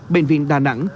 bệnh viện đà nẵng